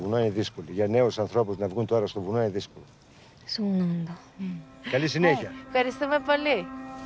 そうなんだ。